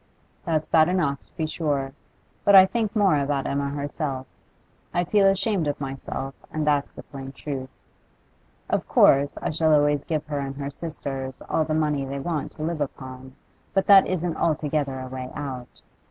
'That's bad enough, to be sure, but I think more about Emma herself. I feel ashamed of myself, and that's the plain truth. Of course I shall always give her and her sisters all the money they want to live upon, but that isn't altogether a way out.